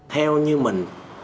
theo như mình